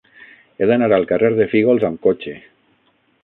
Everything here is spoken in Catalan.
He d'anar al carrer de Fígols amb cotxe.